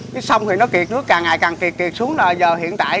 cái sông thì nó kiệt nước càng ngày càng kiệt kiệt xuống là hiện tại